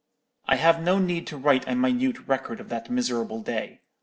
"I have no need to write a minute record of that miserable day.